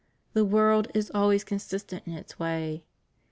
The world is always consistent in its way.